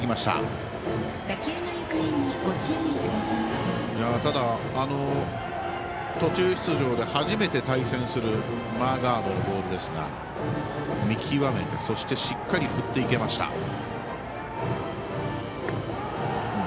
ただ、途中出場で初めて対戦するマーガードのボールですが見極めてしっかり振っていけました。